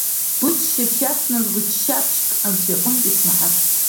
Быччаԥшь иацназго ччаԥшьык, Анцәа иҟнытә исмаҳаӡац.